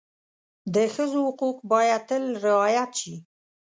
د ښځو حقوق باید تل رعایت شي.